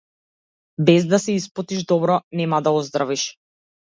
Без да се испотиш добро нема да оздравиш.